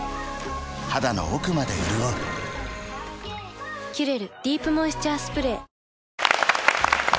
肌の奥まで潤う「キュレルディープモイスチャースプレー」